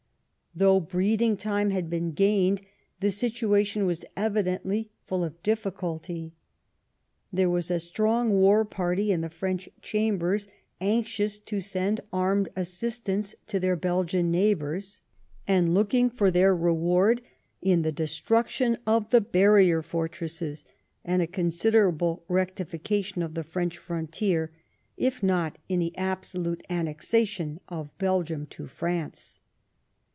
Though breathing time had been gained, the situation was evidently full of difficulty. There was a strong war party in the French Chambers, anxious to send armed assistance to their Belgian neighbours^ and looking for their reward in the destruction of the barrier fortresses, and a considerable rectification of the French frontier, if not in the absolute annexation of Belgium to France.